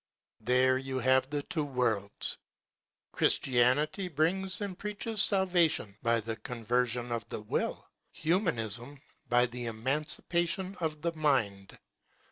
There you have the two worlds: Christianity brings and preaches salvation by the con version of the will,—humanism by the emancipation of the mind.